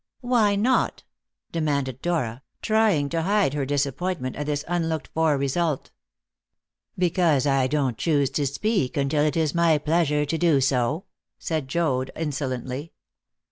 "Why not?" demanded Dora, trying to hide her disappointment at this unlooked for result. "Because I don't choose to speak until it is my pleasure to do so," said Joad insolently.